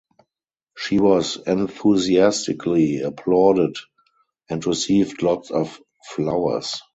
She was enthusiastically applauded and received lots of flowers.